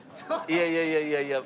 いやいやいやいや。